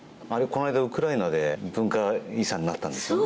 この間、ウクライナで文化遺産になったんですよね。